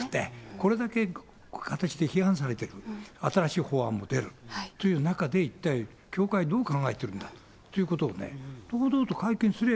これだけ批判されている、新しい法案も出るという中で、教会はどう考えているんだということをね、堂々と会見すりゃ